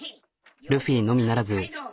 ルフィのみならず。